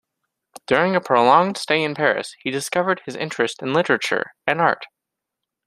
During a prolonged stay in Paris, he discovered his interest in literature and art.